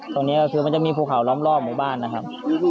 ตรงนี้ก็คือมันจะมีภูเขาล้อมรอบหมู่บ้านนะครับ